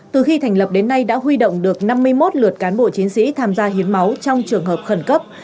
từ khi thành lập đến nay đã huy động được năm mươi một lượt cán bộ chiến sĩ tham gia hiến máu trong trường hợp khẩn cấp